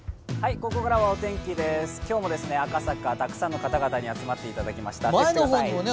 ここからはお天気です、今日も赤坂、たくさんの人が集まってきてくれました。